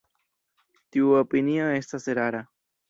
Tiu opinio estas erara.